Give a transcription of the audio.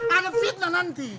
ada fitnah nanti